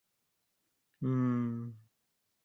曾在文革时被下放劳改。